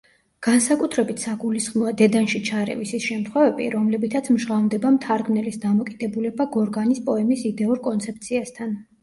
განსაკუთრებით საგულისხმოა დედანში ჩარევის ის შემთხვევები, რომლებითაც მჟღავნდება მთარგმნელის დამოკიდებულება გორგანის პოემის იდეურ კონცეფციასთან.